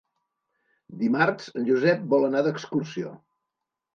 Dimarts en Josep vol anar d'excursió.